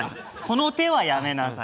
この手はやめなさい。